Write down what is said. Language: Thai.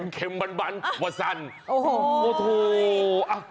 เค็มมันวัสดิ์